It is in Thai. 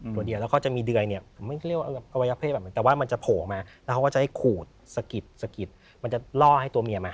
ตัวเดียวแล้วก็จะมีเดือยเนี่ยผมไม่เรียกว่าอวัยเพศแบบเหมือนแต่ว่ามันจะโผล่ออกมาแล้วเขาก็จะให้ขูดสะกิดสะกิดมันจะล่อให้ตัวเมียมา